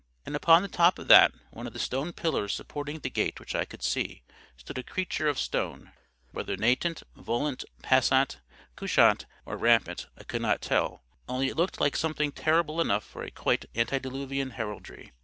And upon the top of that one of the stone pillars supporting the gate which I could see, stood a creature of stone, whether natant, volant, passant, couchant, or rampant, I could not tell, only it looked like something terrible enough for a quite antediluvian heraldry.